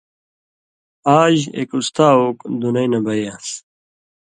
آژ اېک اُستا اوک دُنئ نہ بئ یان٘س